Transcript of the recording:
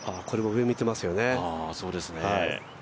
これも上、見てますよね。